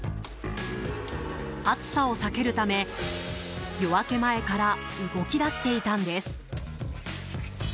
暑さを避けるため、夜明け前から動き出していたんです。